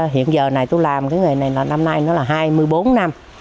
hiện giờ này tôi làm cái nghề này là năm nay nó là hai mươi bốn năm